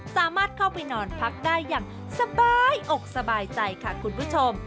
สามารถเข้าไปนอนพักได้อย่างสบายอกสบายใจค่ะคุณผู้ชม